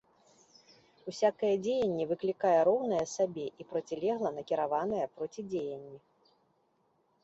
Усякае дзеянне выклікае роўнае сабе і процілегла накіраванае процідзеянне.